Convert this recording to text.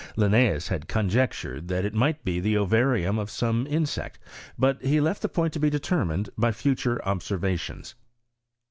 Linneeus had con* jectured that it might be the ovarium of some in sect; but he left the point to be determined faj future observations.